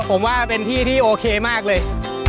ผมว่าเป็นที่ที่โอเคมากเลย